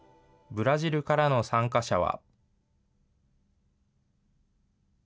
ブラジルからの参加者は。